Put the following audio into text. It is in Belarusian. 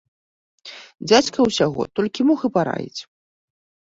Дзядзька ўсяго толькі мог і параіць.